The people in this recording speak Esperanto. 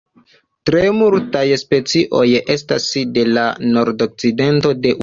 Tre multaj specioj estas de la nordokcidento de Usono.